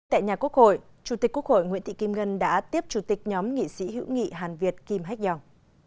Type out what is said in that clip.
tại nhà quốc hội chủ tịch quốc hội nguyễn thị kim ngân đã tiếp chủ tịch nhóm nghị sĩ hữu nghị hàn việt kim hạch dòng